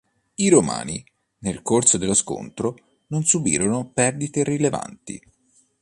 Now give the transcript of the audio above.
I Romani, nel corso dello scontro, non subirono perdite rilevanti.